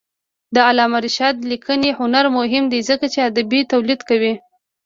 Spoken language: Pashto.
د علامه رشاد لیکنی هنر مهم دی ځکه چې ادبي تولید کوي.